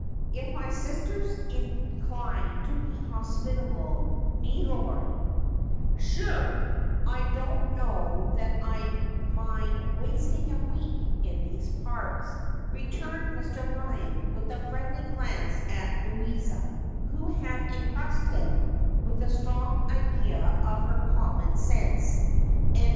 ' If my sister's inclined to be hospitable, me lord, shure, I don't know that I'd mind wasting a week in these parts,' returned Mr. Eyan, with a friendly glance at Louisa, who had impressed him with a strong idea of her common sense ; and * The Best is Silence.'